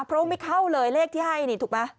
เพราะไม่เข้าเลยเลขที่ให้นี่ถูกมั้ย